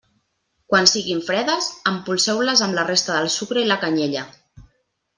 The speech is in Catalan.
Quan siguin fredes, empolseu-les amb la resta del sucre i la canyella.